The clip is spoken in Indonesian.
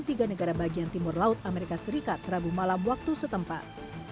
tiga negara bagian timur laut amerika serikat rabu malam waktu setempat